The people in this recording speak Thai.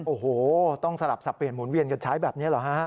โอ้โหต้องสลับสับเปลี่ยนหมุนเวียนกันใช้แบบนี้เหรอฮะ